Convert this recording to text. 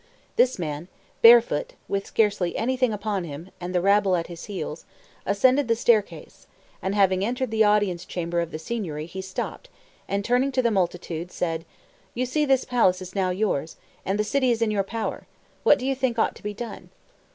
This man, barefoot, with scarcely anything upon him, and the rabble at his heels, ascended the staircase, and, having entered the audience chamber of the Signory, he stopped, and turning to the multitude said, "You see this palace is now yours, and the city is in your power; what do you think ought to be done?"